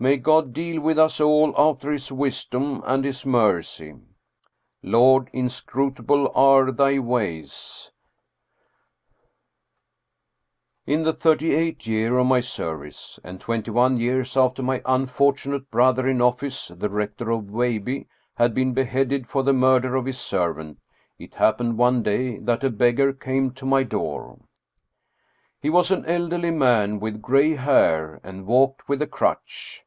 May God deal with us all after His wisdom and His mercy ! 300 Steen Steensen Blicher Lord, inscrutable are thy ways ! In the thirty eighth year of my service, and twenty one years after my unfortunate brother in office, the Rector of Veilbye had been beheaded for the murder of his servant, it happened one day that a beggar came to my door. He was an elderly man, with gray hair, and walked with a crutch.